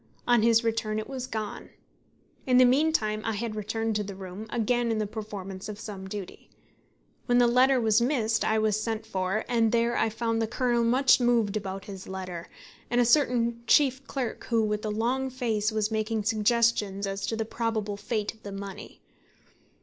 On his return it was gone. In the meantime I had returned to the room, again in the performance of some duty. When the letter was missed I was sent for, and there I found the Colonel much moved about his letter, and a certain chief clerk, who, with a long face, was making suggestions as to the probable fate of the money.